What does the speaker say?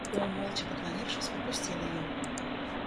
Он, молча поклонившись, пропустил ее.